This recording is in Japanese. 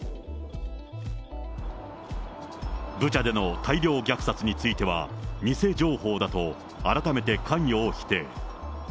ブチャでの大量虐殺については、偽情報だと改めて関与を否定。